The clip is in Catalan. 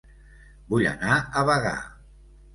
Vull anar a Bagà